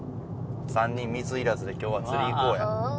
３人水いらずで今日は釣り行こうや。